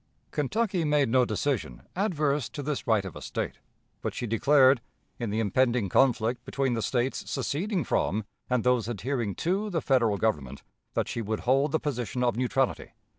Kentucky made no decision adverse to this right of a State, but she declared, in the impending conflict between the States seceding from and those adhering to the Federal Government, that she would hold the position of neutrality.